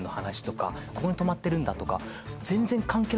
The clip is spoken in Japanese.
「ここに泊まってるんだ」とか。